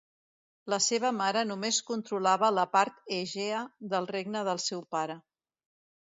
La seva mare només controlava la part Egea del regne del seu pare.